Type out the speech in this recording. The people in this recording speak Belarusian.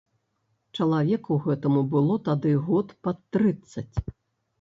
Чалавеку гэтаму было тады год пад трыццаць.